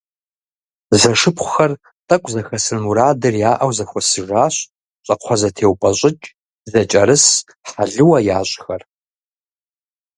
Зэшыпхъухэр, тӏэкӏу зэхэсын мурадыр яӏэу зэхуэсыжащ. Щӏакхъуэзэтеупӏэщӏыкӏ, зэкӏэрыс, хьэлыуэ ящӏхэр.